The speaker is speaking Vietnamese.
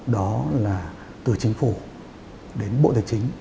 đó là từ chính phủ đến bộ tài chính